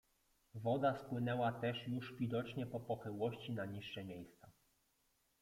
Woda spłynęła też już widocznie po pochyłości na niższe miejsca.